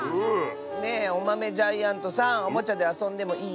ねえおまめジャイアントさんおもちゃであそんでもいい？